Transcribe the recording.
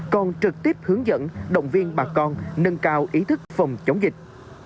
còn trực tiếp hướng dẫn động viên bà con nâng cao ý thức phòng chống dịch